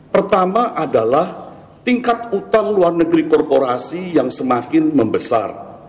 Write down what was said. pertama adalah tingkat utang luar negeri korporasi yang semakin membesar